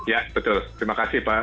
ya betul terima kasih pak